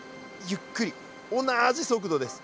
同じ速度です。